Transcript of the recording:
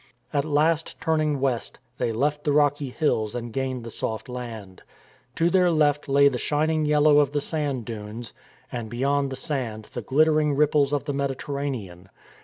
At last, turning west, they left the rocky hills and gained the soft land. To their left lay the shining yellow of the sand dunes, and beyond the sand the glittering ripples of the Mediterranean.